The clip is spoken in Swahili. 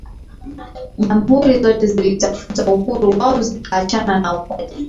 jamhuri zote zilitafuta uhuru wao zikaachana na Umoja